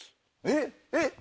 えっ？えっ？